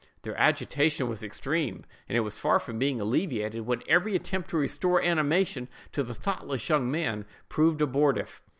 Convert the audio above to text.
Their agitation was extreme, and it was far from being alleviated when every attempt to restore animation to the thoughtless young man proved abortive.